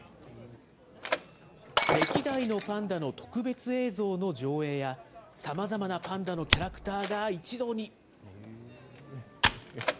歴代のパンダの特別映像の上映や、さまざまなパンダのキャラクターが一堂に。